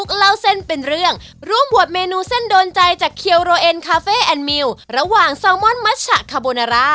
ขอบคุณมากครับ